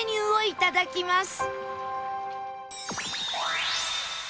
いただきます。